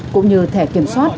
cũng như thẻ kiểm soát